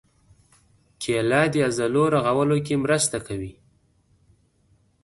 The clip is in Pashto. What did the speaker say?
کېله د عضلو رغولو کې مرسته کوي.